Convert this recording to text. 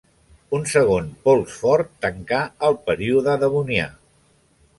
Un segon pols fort tancà el període Devonià.